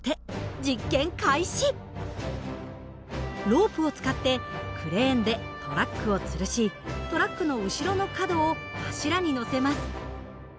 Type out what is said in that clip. ロープを使ってクレーンでトラックをつるしトラックの後ろの角を柱に載せます。